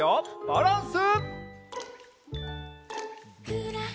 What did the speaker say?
バランス。